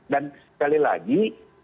dan sekali lagi